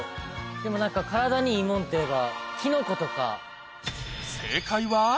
でも何か体にいいもんといえば。